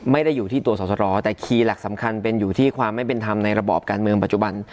ไม่ได้อยู่ที่ตัวสอสรแต่คีย์หลักสำคัญเป็นอยู่ที่ความไม่เป็นธรรมในระบอบการเมืองปัจจุบัน